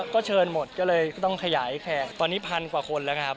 ก็เชิญหมดก็เลยต้องขยายแขกตอนนี้พันกว่าคนแล้วครับ